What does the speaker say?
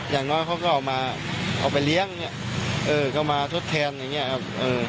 อย่างนอกเขาก็เอามาเอาไปเลี้ยงเขามาทดแทนอย่างนี้ครับ